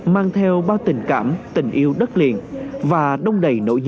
mang theo bao tình cảm tình yêu đất liền và đông đầy nỗi nhớ